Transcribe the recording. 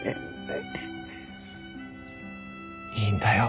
いいんだよ。